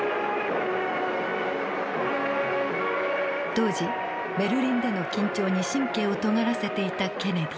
当時ベルリンでの緊張に神経をとがらせていたケネディ。